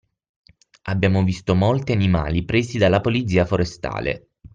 Abbiamo visto molti animali presi dalla Polizia Forestale